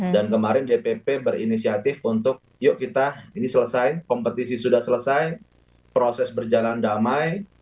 dan kemarin dpp berinisiatif untuk yuk kita ini selesai kompetisi sudah selesai proses berjalan damai